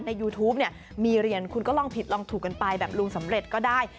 ยูทูปเนี่ยมีเรียนคุณก็ลองผิดลองถูกกันไปแบบลุงสำเร็จก็ได้